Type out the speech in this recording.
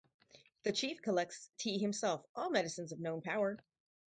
The chief collects t himself all medicines of known power.